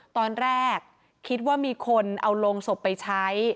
ตอนแรกคิดว่ามีคนเอาโรงศพไปใช้